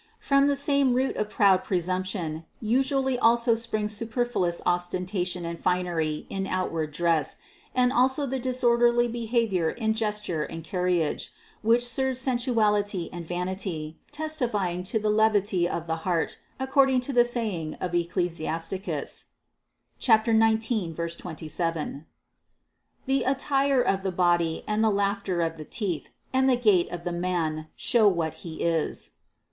From the same root of proud presumption usually also springs superfluous ostentation and finery in outward dress, and also the disorderly behavior in ges ture and carriage, which serves sensuality and vanity, tes tifying to the levity of the heart according to the saying of Ecclesiasticus (19, 27) : "The attire of the body and THE CONCEPTION 459 the laughter of the teeth, and the gait of the man, show what he is."